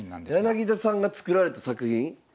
柳田さんが作られた作品？